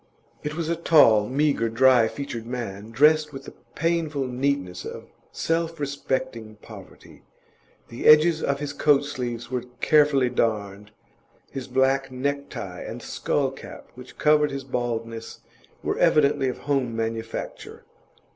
It was a tall, meagre, dry featured man, dressed with the painful neatness of self respecting poverty: the edges of his coat sleeves were carefully darned; his black necktie and a skull cap which covered his baldness were evidently of home manufacture.